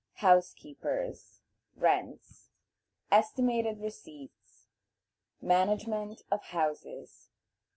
House keepers. Rents. Estimated Receipts. Management of Houses.